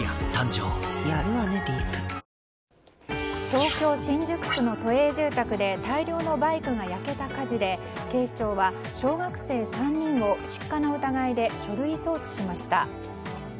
東京・新宿区の都営住宅で大量のバイクが焼けた火事で警視庁は小学生３人を失火の疑いで書類送致しました。